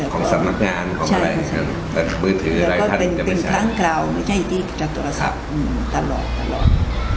ของสำนักงานของอะไรแล้วก็เป็นทางกล่าวไม่ใช่อิติกับโทรศัพท์ตลอด